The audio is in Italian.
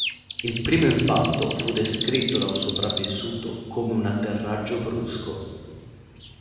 Il primo impatto fu descritto da un sopravvissuto come un atterraggio brusco.